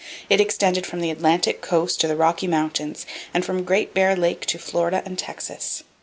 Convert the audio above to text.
It extended from the Atlantic coast to the Rocky Mountains, and from Great Bear Lake to Florida and Texas.